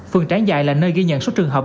phường tráng dại là nơi ghi nhận số trường hợp